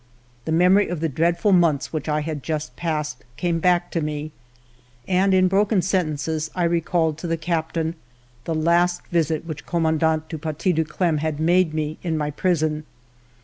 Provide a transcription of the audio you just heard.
The memory of the dreadful months which I had just passed came back to me, and in broken sen tences I recalled to the captain the last visit which Commandant du Paty de Clam had made me in my prison.